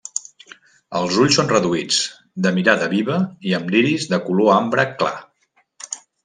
Els ulls són reduïts, de mirada viva i amb l'iris de color ambre clar.